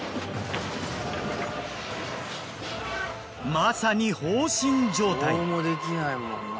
まさに放心状態。